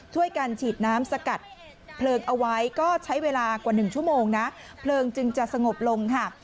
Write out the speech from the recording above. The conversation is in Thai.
ช่วยกันฉีดน้ำสกัดเพลิงเอาไว้ก็ใช้เวลากว่า๑ชั่วโมงนะเพลิงจึงจะสงบลงค่ะ